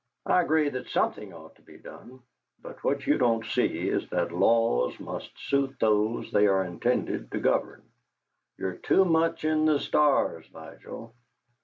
I agree that something ought to be done. But what you don't see is that laws must suit those they are intended to govern. You're too much in the stars, Vigil.